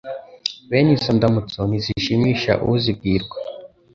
bene izo ndamutso ntizishimisha uzibwirwa